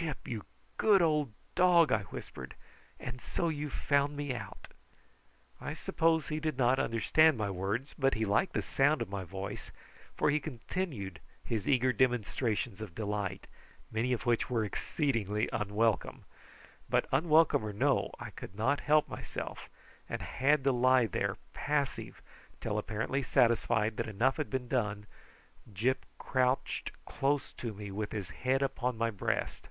"Gyp, you good old dog!" I whispered. "And so you've found me out!" I suppose he did not understand my words, but he liked the sound of my voice, for he continued his eager demonstrations of delight, many of which were exceedingly unwelcome. But unwelcome or no I could not help myself, and had to lie there passive till, apparently satisfied that enough had been done, Gyp crouched close to me with his head upon my breast.